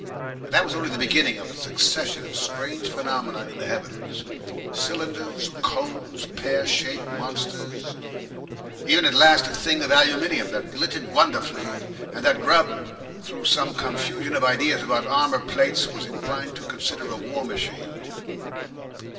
And that was only the beginning of a succession of strange phenomena in the heavens cylinders, cones, pear shaped monsters, even at last a thing of aluminium that glittered wonderfully, and that Grubb, through some confusion of ideas about armour plates, was inclined to consider a war machine.